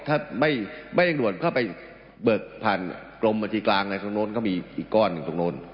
ถ้าไม่เร่งด่วนเพื่อไปเบิกผ่านกรมบัญชีกลางในตรงโน้นก็มีอีกก้อนหนึ่งตรงโน้น